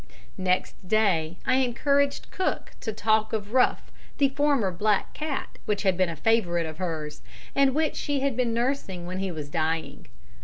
Next day I encouraged cook to talk of Ruff, the former black cat, which had been a great favourite of hers, and which she had been nursing when he was dying.